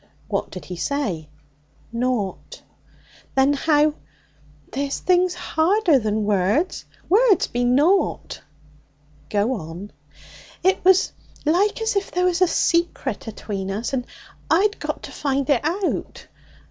'What did he say?' 'Nought.' 'Then how ?' 'There's things harder than words; words be nought.' 'Go on.' 'It was like as if there was a secret atween us, and I'd got to find it out.